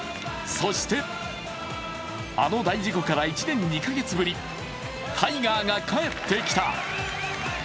そしてあの大事故から１年２カ月ぶり、タイガーが帰ってきた。